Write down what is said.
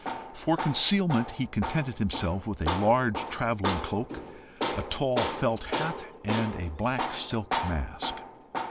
For concealment, he contented himself with a large travelling cloak, a tall felt hat, and a black silk mask.